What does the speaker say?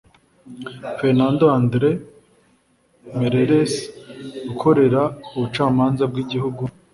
fernando andreu merelles ukorera ubucamanza bw'igihugu